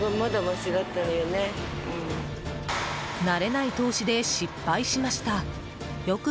慣れない投資で失敗しました。